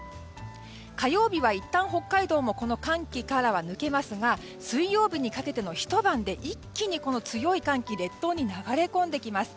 火曜日はいったん北海道もこの寒気からは抜けますが水曜日にかけてのひと晩で一気にこの強い寒気が列島に流れ込んできます。